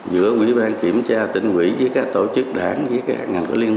giữa quỹ bang kiểm tra tỉnh ủy với các tổ chức đảng với các ngành của liên minh